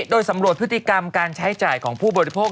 โดยสำรวจพฤติกรรมการใช้จ่ายของผู้บริโภค